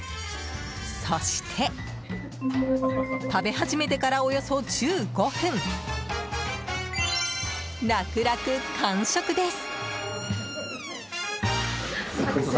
そして、食べ始めてからおよそ１５分、楽々完食です。